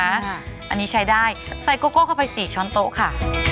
อันนี้ใช้ได้ใส่โกโก้เข้าไป๔ช้อนโต๊ะค่ะ